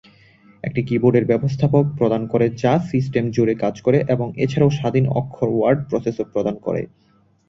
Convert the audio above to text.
এটি কিবোর্ড ব্যবস্থাপক প্রদান করে যা সিস্টেম জুড়ে কাজ করে এবং এছাড়াও স্বাধীন অক্ষর ওয়ার্ড প্রসেসর প্রদান করে।